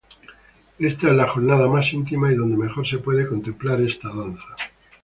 Ésta es la jornada más íntima y donde mejor se puede contemplar esta danza.